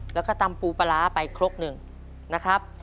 แล้วก็ตำปูปลาร้าไปครกหนึ่งนะครับ